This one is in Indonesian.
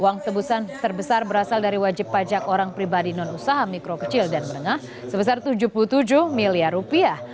uang tebusan terbesar berasal dari wajib pajak orang pribadi non usaha mikro kecil dan menengah sebesar tujuh puluh tujuh miliar rupiah